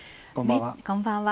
こんばんは。